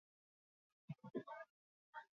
Probintziaren barnean ondorengo barrutiak daude.